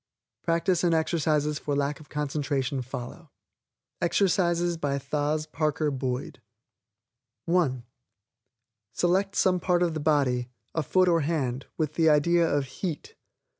Practice and exercises for lack of concentration follow. EXERCISES By Thos. Parker Boyd (1) Select some part of the body, a foot or hand, with the idea of HEAT.